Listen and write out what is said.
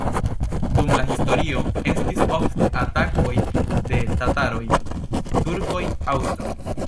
Dum la historio estis ofte atakoj de tataroj, turkoj, aŭstroj.